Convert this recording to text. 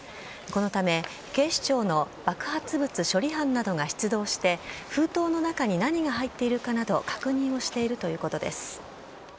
このため警視庁の爆発物処理班などが出動して封筒の中に何が入ってるかなど確認しているということです。